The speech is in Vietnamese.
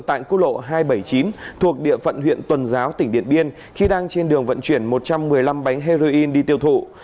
tại quốc lộ hai trăm bảy mươi chín thuộc địa phận huyện tuần giáo tỉnh điện biên khi đang trên đường vận chuyển một trăm một mươi năm bánh heroin đi tiêu thụ